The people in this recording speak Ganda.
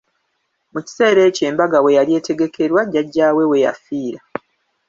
Mu kiseera ekyo embaga we yali etegekerwa, jjajja we weyafiira.